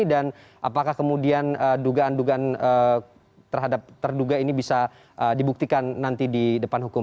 dan apakah kemudian dugaan dugaan terhadap terduga ini bisa dibuktikan nanti di depan hukum